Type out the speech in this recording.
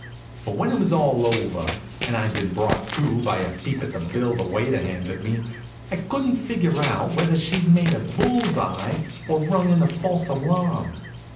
But when it was all over, and I'd been brought to by a peep at the bill the waiter handed me, I couldn't figure out whether she'd made a bull's eye or rung in a false alarm.